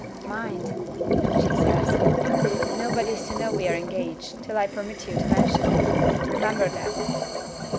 "Mind!" she says, "nobody is to know we are engaged till I permit you to mention it. Remember that!"